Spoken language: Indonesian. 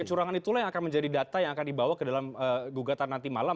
kecurangan itulah yang akan menjadi data yang akan dibawa ke dalam gugatan nanti malam